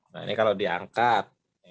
nah ini kalau diangkat